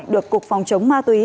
được cục phòng chống ma túy